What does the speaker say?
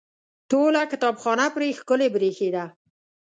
ټوله کتابخانه پرې ښکلې برېښېده.